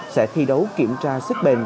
sẽ thi đấu kiểm tra sức bền